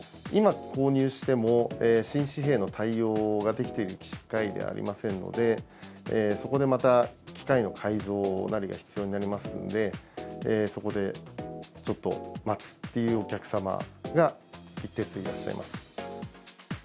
今、購入しても、新紙幣の対応ができている機械ではありませんので、そこでまた機械の改造なりが必要になりますんで、そこでちょっと待つっていうお客様が一定数いらっしゃいます。